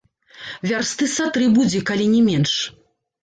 Вярсты са тры будзе, калі не менш.